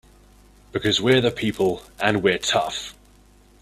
Because we're the people and we're tough!